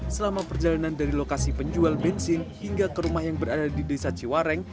selama perjalanan dari lokasi penjual bensin hingga ke rumah yang berada di desa ciwareng